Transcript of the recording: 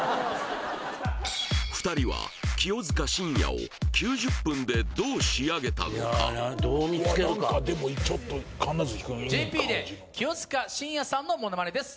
２人は清塚信也を９０分でどう仕上げたのかＪＰで清塚信也さんのモノマネです